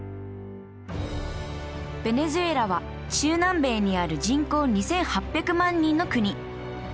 ベネズエラは中南米にある人口２，８００万人の国。